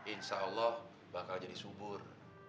insya allah bakal jadi subur